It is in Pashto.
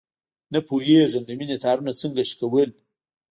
نه پوهېږم، د مینې تارونه څنګه شلول.